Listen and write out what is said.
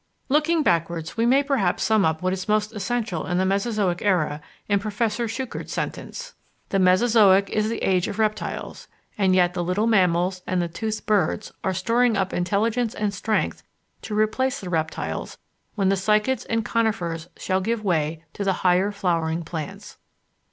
Looking backwards, we may perhaps sum up what is most essential in the Mesozoic era in Professor Schuchert's sentence: "The Mesozoic is the Age of Reptiles, and yet the little mammals and the toothed birds are storing up intelligence and strength to replace the reptiles when the cycads and conifers shall give way to the higher flowering plants."